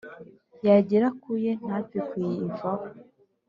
yagera kuye ntapfe kuyivaho